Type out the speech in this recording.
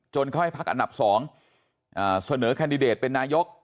เขาให้พักอันดับ๒เสนอแคนดิเดตเป็นนายก